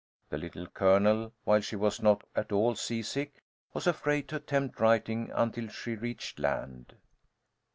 The Little Colonel, while she was not at all seasick, was afraid to attempt writing until she reached land.